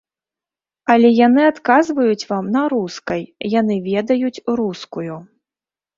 Але яны адказваюць вам на рускай, яны ведаюць рускую.